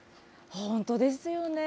本当ですよね。